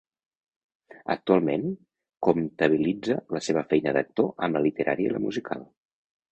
Actualment comptabilitza la seva feina d'actor amb la literària i la musical.